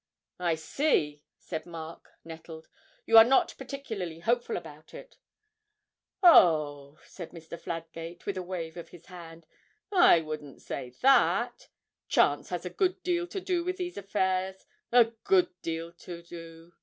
'I see,' said Mark, nettled; 'you are not particularly hopeful about it?' 'Oh,' said Mr. Fladgate, with a wave of his hand, 'I wouldn't say that. Chance has a good deal to do with these affairs a good deal to do.